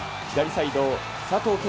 左サイドを佐藤恵